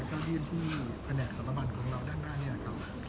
แล้วก็โดยที่แผนกศรับรรณของเราด้านหน้านี้ครับ